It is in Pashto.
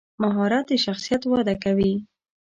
مهارت د شخصیت وده کوي.